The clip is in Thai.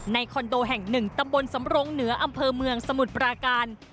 คอนโดแห่ง๑ตำบลสำรงเหนืออำเภอเมืองสมุทรปราการ